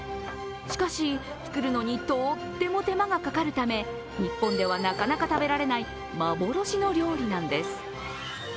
しかし、作るのにとーっても手間がかかるため、日本ではなかなか食べられない幻の料理なんです。